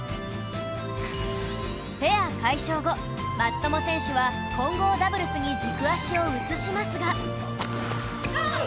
ペア解消後松友選手は混合ダブルスに軸足を移しますが